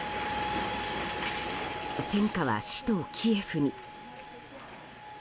戦火は首都キエフに。